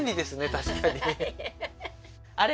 確かにあれ